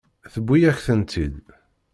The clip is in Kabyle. Tewwi-yak-tent-id.